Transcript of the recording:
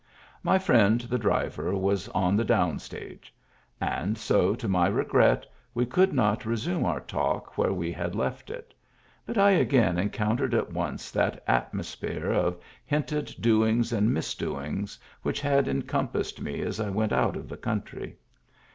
My friend, the driver, was on the down stage ; and so, to my regret, we could not resume our talk where we had left it; but I again encountered at once that atmosphere of hinted doings and misdoings which had encompassed me as I went out of the country.